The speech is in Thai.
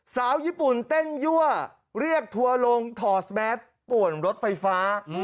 สาวญี่ปุ่นเต้นยั่วเรียกทัวร์ลงถอดแมสป่วนรถไฟฟ้า